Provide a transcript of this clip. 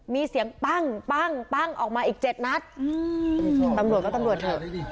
มีเสียงปั้งปั้งปั้งออกมาอีก๗นัดตำรวจก็ตำรวจเถอะ